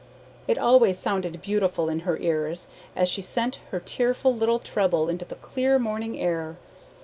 It always sounded beautiful in her ears, as she sent her tearful little treble into the clear morning air.